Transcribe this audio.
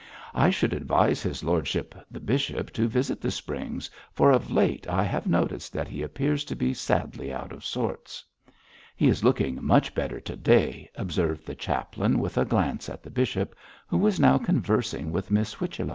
I should advise his lordship, the bishop, to visit the springs, for of late I have noticed that he appears to be sadly out of sorts.' 'He is looking much better to day,' observed the chaplain, with a glance at the bishop, who was now conversing with Miss Whichello.